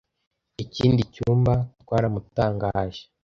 Ikindi cyumba. Twaramutangaje